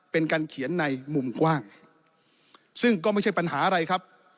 เป็นการเขียนในมุมกว้างซึ่งก็ไม่ใช่ปัญหาอะไรครับ